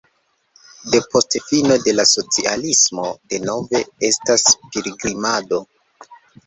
Depost fino de la socialismo denove estas pilgrimado.